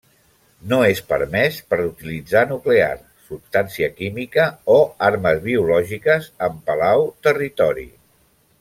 No és permès per utilitzar nuclear, substància química, o armes biològiques en Palau territori.